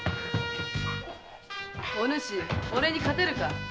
お主俺に勝てるか。